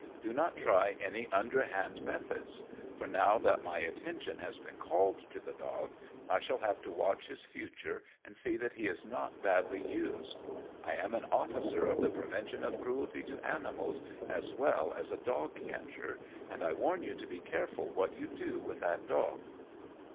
Do not try any underhand methods, for now that my attention has been called to the dog, I shall have to watch his future and see that he is not badly used. I am an officer of the Prevention of Cruelty to Animals as well as a dog catcher, and I warn you to be careful what you do with that dog."